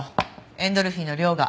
エンドルフィンの量が。